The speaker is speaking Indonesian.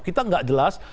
kita nggak jelas